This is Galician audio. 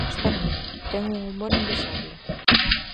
Sempre está rindo, ten un humor envexable.